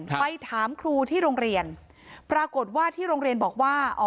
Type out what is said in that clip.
ไปถามครูที่โรงเรียนปรากฏว่าที่โรงเรียนบอกว่าอ๋อ